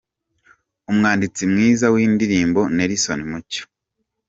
Umwanditsi mwiza w'indirimbo: Nelson Mucyo.